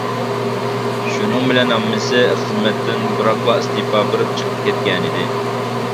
شۇنىڭ بىلەن ھاممىسى خىزمەتتىن بىراقلا ئىستېپا بېرىپ چىقىپ كەتكەنىدى.